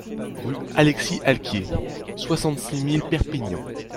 Rue Alexis Alquier, soixante-six mille Perpignan